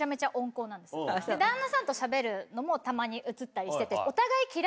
旦那さんとしゃべるのもたまに映ったりしてて。